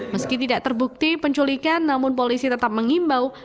meski tidak terbukti penculikan namun polisi tetap mengimbau